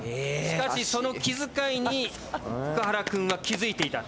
しかしその気遣いに福原くんは気付いていた。